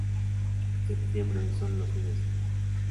En septiembre— solo los fines de semana.